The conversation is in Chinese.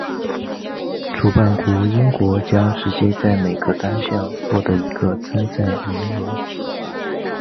主办国英国将直接在每个单项获得一个参赛名额。